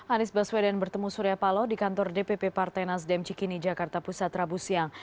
anies baswedan bertemu surya paloh di kantor dpp partai nasdem cikini jakarta pusat rabu siang